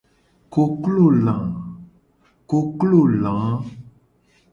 Koklo la.